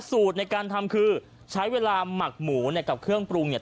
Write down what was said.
สูตรในการทำคือใช้เวลาหมักหมูเนี่ยกับเครื่องปรุงเนี่ย